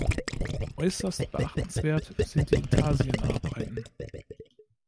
Äußerst beachtenswert sind die Intarsienarbeiten.